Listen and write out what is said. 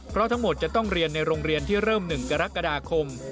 เพราะทั้งหมดจะต้องเรียนในโรงเรียนที่เริ่ม๑กรกฎาคม